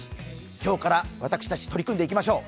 今日から私たち、取り組んでいきましょう。